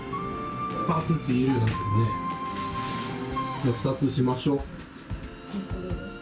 じゃあ２つ、しましょう。